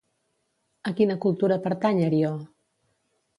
A quina cultura pertany Arió?